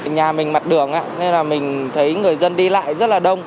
nhà mình mặt đường nên là mình thấy người dân đi lại rất là đông